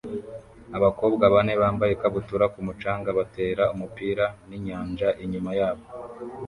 Abakobwa bane bambaye ikabutura ku mucanga batera umupira ninyanja inyuma yabo